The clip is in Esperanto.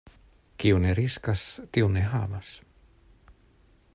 Kiu ne riskas, tiu ne havas.